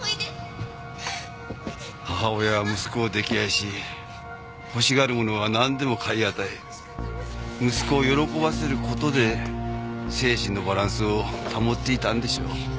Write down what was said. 母親は息子を溺愛し欲しがるものはなんでも買い与え息子を喜ばせる事で精神のバランスを保っていたんでしょう。